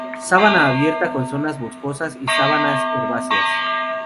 Sabana abierta con zonas boscosas y sabanas herbáceas.